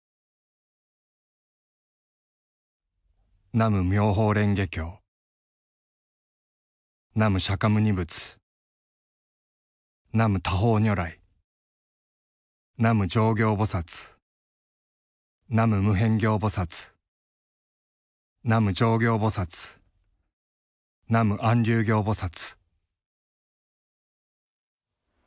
「南無妙法蓮華経南無釈牟尼仏南無多宝如来南無上行菩薩南無無辺行菩薩南無浄行菩薩南無安立行菩薩」。